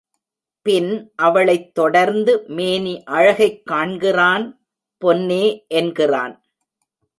பின் அவளைத் தொடர்ந்து மேனி அழகைக் காண்கிறான் பொன்னே என்கிறான்.